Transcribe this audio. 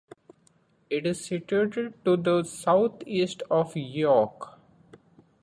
It is situated to the south east of York.